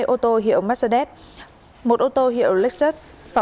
hai ô tô hiệu mercedes một ô tô hiệu laxus